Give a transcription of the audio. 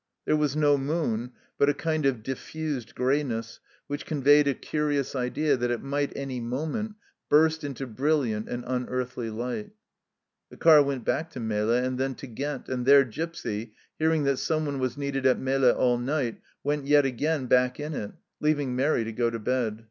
There was no moon, but a kind of diffused greyness which conveyed a curious THE FIELD OF MERCY 43 idea that it might any moment burst into brilliant and unearthly light. The car went back to Melle and then to Ghent, and there Gipsy, hearing that someone was needed at Melle all night, went yet again back in it, leaving Mairi to go to bed.